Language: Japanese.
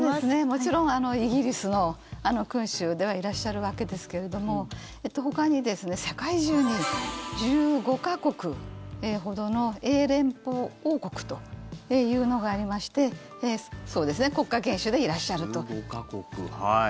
もちろんイギリスの君主ではいらっしゃるわけですけれどもほかに世界中に１５か国ほどの英連邦王国というのがありまして国家元首でいらっしゃると。